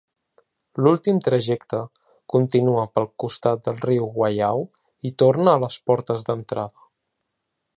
L'últim trajecte continua pel costat del riu Waiau i torna a les portes d'entrada.